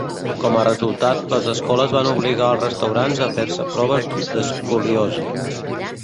Com a resultat, les escoles van obligar els restaurants a fer-se proves d'escoliosi.